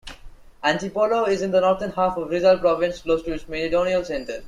Antipolo is in the northern half of Rizal Province, close to its meridional center.